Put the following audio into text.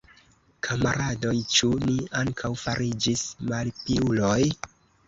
Kamaradoj, ĉu ni ankaŭ fariĝis malpiuloj?